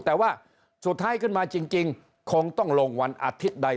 แต่ว่าสุดท้ายขึ้นมาจริงคงต้องลงวันอาทิตย์ใด